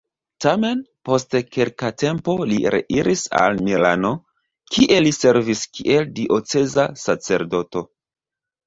Tamen, post kelka tempo li reiris al Milano, kie li servis kiel dioceza sacerdoto.